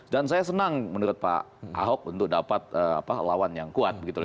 dan saya senang menurut pak ahok untuk dapat lawan yang kuat